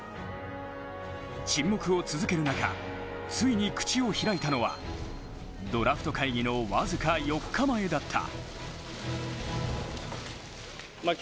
沈黙を続ける中ついに口を開いたのはドラフト会議の僅か４日前だった。